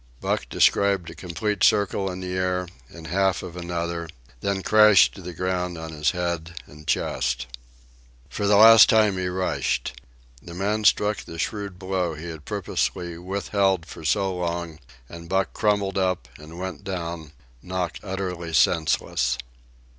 Buck described a complete circle in the air, and half of another, then crashed to the ground on his head and chest. For the last time he rushed. The man struck the shrewd blow he had purposely withheld for so long, and Buck crumpled up and went down, knocked utterly senseless.